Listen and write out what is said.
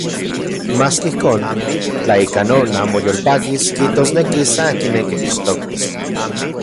Maski ijkon, tla ika non amo yolpakis, kijtosneki san kineki techtoktis.